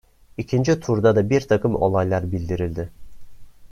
İkinci turda da bir takım olaylar bildirildi.